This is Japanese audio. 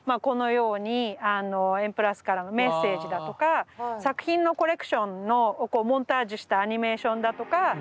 このように「Ｍ＋」からのメッセージだとか作品のコレクションのこうモンタージュしたアニメーションだとか。